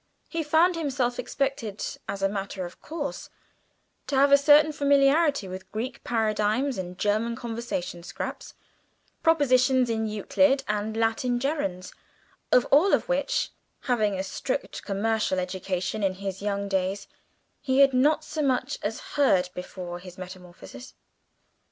He found himself expected, as a matter of course, to have a certain familiarity with Greek paradigms and German conversation scraps, propositions in Euclid and Latin gerunds, of all of which, having had a strict commercial education in his young days, he had not so much as heard before his metamorphosis.